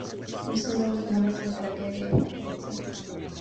Musíme mít na mysli tragédii v Africe.